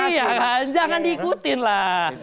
iya kan jangan diikutin lah